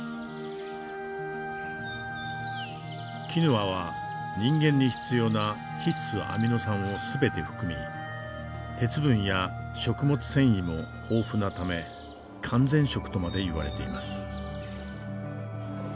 キヌアは人間に必要な必須アミノ酸を全て含み鉄分や食物繊維も豊富なため完全食とまで言われています。